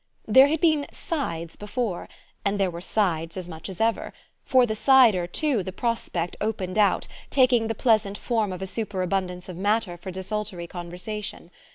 There had been "sides" before, and there were sides as much as ever; for the sider too the prospect opened out, taking the pleasant form of a superabundance of matter for desultory conversation.